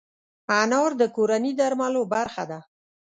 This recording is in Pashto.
انار د کورني درملو برخه ده.